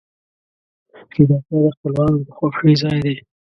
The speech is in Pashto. کتابچه د خپلوانو د خوښۍ ځای دی